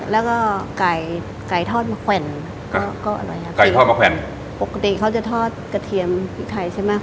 แล้วก็ไก่ไก่ทอดมะแขวนก็ก็อร่อยครับไก่ทอดมะแขวนปกติเขาจะทอดกระเทียมพริกไทยใช่ไหม